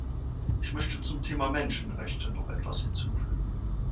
Ich möchte zum Thema Menschenrechte noch etwas hinzufügen.